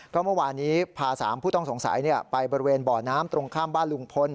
ก็เมื่อวานนี้พา๓ผู้ต้องสงสัยไปบริเวณบ่อน้ำตรงข้ามบ้านลุงพล